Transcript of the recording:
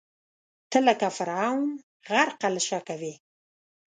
ته لکه فرعون، غرقه له شکه وې